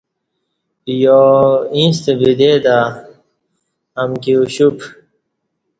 یایݩستہ بدے تہ امکی اُوشپ